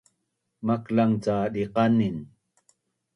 maklang ca diqanin